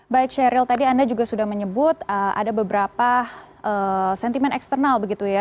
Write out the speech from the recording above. baik sheryl tadi anda juga sudah menyebut ada beberapa sentimen eksternal begitu ya